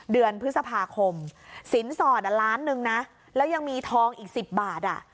เดือนพฤษภาคมสินสอดล้านหนึ่งนะแล้วยังมีทองอีก๑๐บาท